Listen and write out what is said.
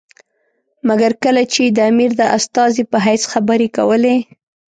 مګر کله چې یې د امیر د استازي په حیث خبرې کولې.